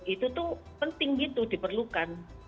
itu tuh penting gitu diperlukan